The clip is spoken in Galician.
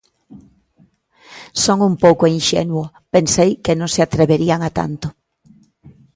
Son un pouco inxenuo, pensei que non se atreverían a tanto.